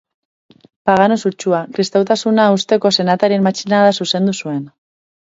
Pagano sutsua, kristautasuna uzteko senatarien matxinada zuzendu zuen.